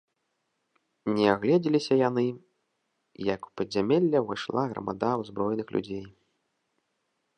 Не агледзеліся яны, як у падзямелле ўвайшла грамада ўзброеных людзей.